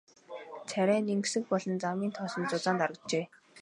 Царай нь энгэсэг болон замын тоосонд зузаан дарагджээ.